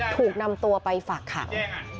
ถูกนำตัวไปฝากขัง